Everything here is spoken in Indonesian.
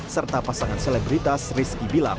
serta pasangan selebritas rizky bilang